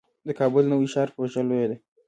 د کابل نوی ښار پروژه لویه ده